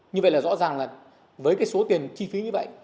như vậy là rõ ràng là với cái số tiền chi phí như vậy